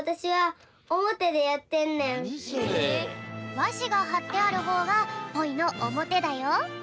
わしがはってあるほうがポイのおもてだよ。